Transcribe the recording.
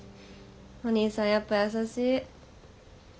お兄さんやっぱ優しい。